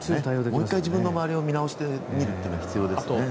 もう１回、自分の周りを見渡してみるというのも大切ですよね。